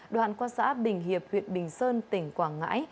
đoạn qua xã bình hiệp huyện bình sơn tỉnh quảng ngãi